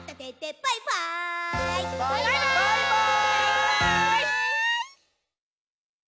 「バイバーイ！」